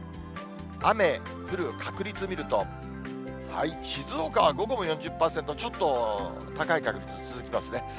雨降る確率見ると、静岡は午後も４０％、ちょっと高い確率続きますね。